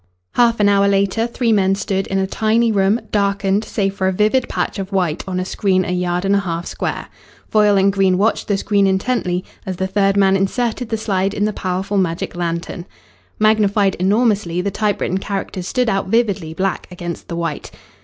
Half an hour later three men stood in a tiny room, darkened, save for a vivid patch of white on a screen a yard and a half square. Foyle and Green watched the screen intently as the third man inserted the slide in the powerful magic lantern. Magnified enormously, the typewritten characters stood out vividly black against the white.